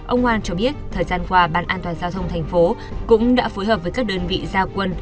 ông hoan cho biết thời gian qua ban an toàn giao thông thành phố cũng đã phối hợp với các đơn vị gia quân